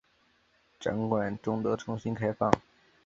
展馆终得重新开放。